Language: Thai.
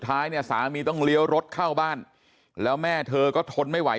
ท้ายเนี่ยสามีต้องเลี้ยวรถเข้าบ้านแล้วแม่เธอก็ทนไม่ไหว